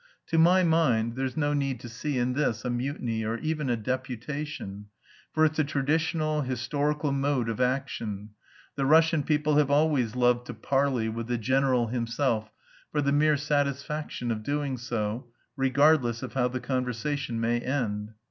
To my mind there is no need to see in this a mutiny or even a deputation, for it's a traditional, historical mode of action; the Russian people have always loved to parley with "the general himself" for the mere satisfaction of doing so, regardless of how the conversation may end.